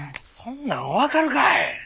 そんなん分かるかい！